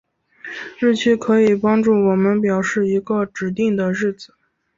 日期可以帮助我们表示一个指定的日子。